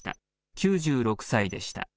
９６歳でした。